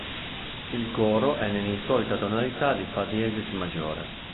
Il coro è nell'insolita tonalità di Fa diesis maggiore.